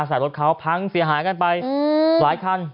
รถเขาพังเสียหายกันไปหลายคัน